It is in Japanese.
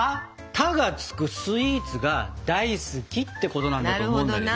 「タ」が付くスイーツが大好きってことなんだと思うんだけど。